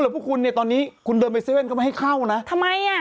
พวกคุณเนี่ยตอนนี้คุณเดินไปเซเว่นก็ไม่ให้เข้านะทำไมอ่ะ